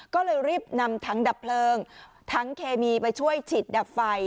ก็เลยรีบนำทั้งดับเพลิงทั้งเคมีไปช่วยฉีดดับไฟ